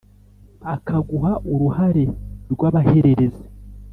akaguha uruhare rw'abahererezi